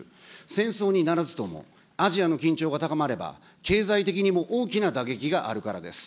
戦争にならずとも、アジアの緊張が高まれば、経済的にも大きな打撃があるからです。